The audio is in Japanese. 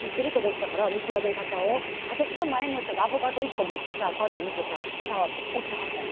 私の前の人がアボカド１個持ってさこうやって見てさ触ってさ置きはったの。